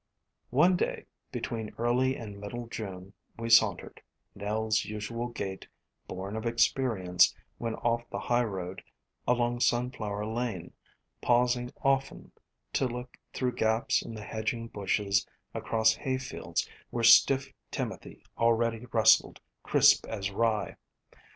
One day, between early and middle June, we sauntered, — Nell's usual gait, born of experience when off the highroad, — along Sunflower Lane, pausing often to look through gaps in the hedging bushes across hayfields where stiff Timothy already rustled crisp as Rye.